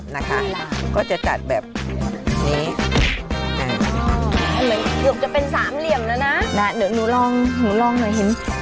นะเดี๊ยวหนูลองหนูลองหน่อย